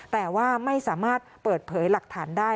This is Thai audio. แต่ว่าไม่สามารถเปิดเผยหลักฐานได้